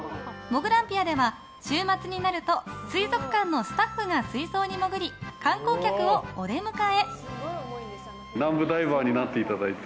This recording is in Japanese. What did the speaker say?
もぐらんぴあでは、週末になると水族館のスタッフが水槽に潜り観光客をお出迎え。